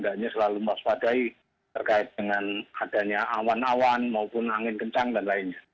bagaimana mengurus terkait awan maupun angin kencang dan lainnya